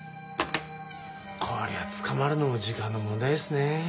こりゃ捕まるのも時間の問題ですね。